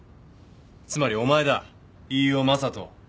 つまりお前だ飯尾真人。